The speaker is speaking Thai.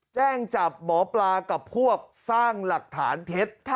แจ้งจับหมอปลากับพวกสร้างหลักฐานเท็จ